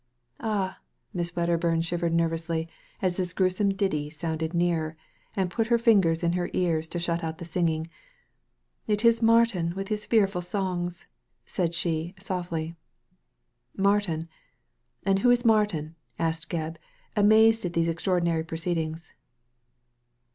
« i 'Ah!" Miss Wedderbum shivered nervously as this gruesome ditty sounded nearer, and put her fingers in her ears to shut out the singing. ^It is Martin with his fearful songs I " said she, softly. ^Martin! And who is Martin?" asked Gebb, amazed at these extraordinary proceedings.